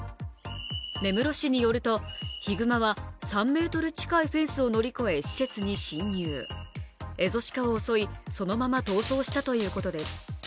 根室市によると、ヒグマは３ｍ近いフェンスを乗り越え施設に侵入、エゾシカを襲い、そのまま逃走したということです。